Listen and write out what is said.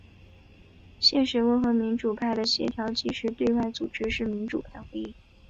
现时温和民主派的协调及对外组织是民主派会议。